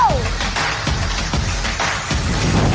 โอ๊ย